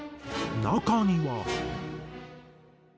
中には。